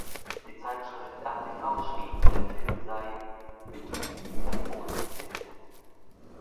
Die Zeitschrift "rtv" schrieb, der Film sei „"mit viel Tempo inszeniert"“.